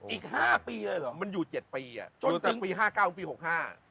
อีกห้าปีเลยเหรอมันอยู่เจ็ดปีอ่ะจนถึงปีห้าเก้าปีหกห้า